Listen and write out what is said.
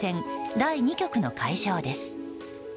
第２局の会場です。